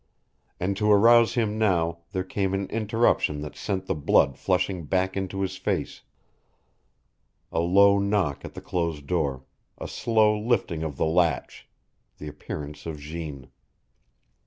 And to arouse him now there came an interruption that sent the blood flushing back into his face a low knock at the closed door, a slow lifting of the latch, the appearance of Jeanne.